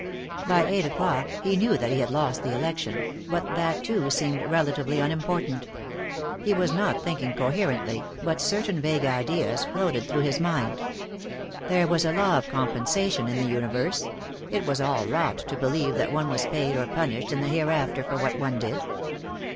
By eight o'clock he knew that he had lost the election, but that, too, seemed relatively unimportant. He was not thinking coherently, but certain vague ideas floated through his mind. There was a law of compensation in the universe: it was all rot to believe that one was paid or punished in the hereafter for what one did.